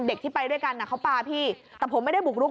เด็กที่ไปด้วยกันเขาปลาพี่แต่ผมไม่ได้บุกรุก